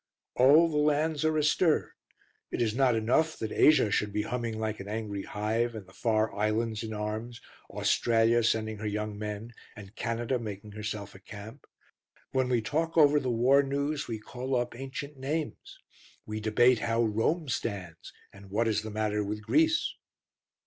All the lands are astir. It is not enough that Asia should be humming like an angry hive and the far islands in arms, Australia sending her young men and Canada making herself a camp. When we talk over the war news, we call up ancient names: we debate how Rome stands and what is the matter with Greece.